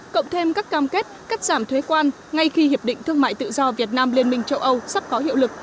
cộng thêm các cam kết cắt giảm thuế quan ngay khi hiệp định thương mại tự do việt nam liên minh châu âu sắp có hiệu lực